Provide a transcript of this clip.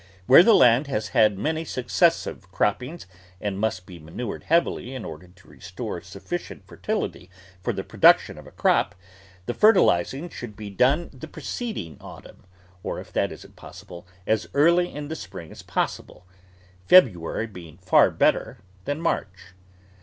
Where the land has had many successive croppings and must be manured heavily in order to restore sufficient fertility for the production of a crop, the fertilising should be done the preceding autumn, or, if that is impos sible, as early in the spring as possible — February being far better than March.